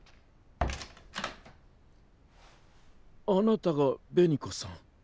あなたが紅子さん。